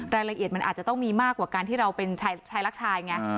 รายละเอียดมันอาจจะต้องมีมากกว่าการที่เราเป็นชายรักชายไง